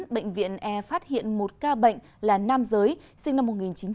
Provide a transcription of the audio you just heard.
bệnh viện e phát hiện một ca bệnh là nam giới sinh năm một nghìn chín trăm tám mươi